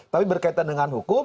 tapi berkaitan dengan hukum